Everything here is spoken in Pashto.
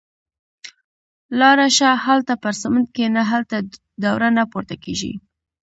– لاړه شه. هالته پر سمڼت کېنه. هلته دوړه نه پورته کېږي.